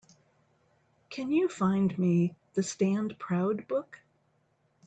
Can you find me the Stand Proud book?